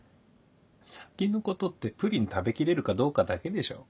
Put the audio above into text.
先のことってプリン食べ切れるかどうかだけでしょ。